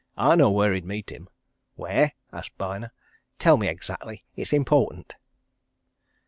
I know where he'd meet him." "Where?" asked Byner. "Tell me exactly. It's important."